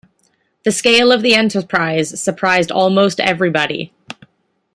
The scale of the enterprise surprised almost everybody.